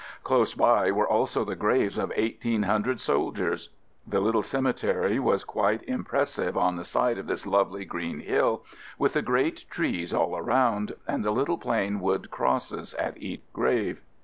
Close by were also the graves of eighteen hundred sol diers. The little cemetery was quite im pressive on the side of this lovely green hill with the great trees all around and the little plain wood crosses at each grave.